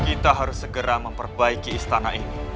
kita harus segera memperbaiki istana ini